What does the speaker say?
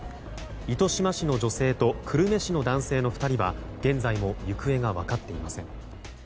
糸島市の女性と久留米市の男性の２人は現在も行方が分かっていません。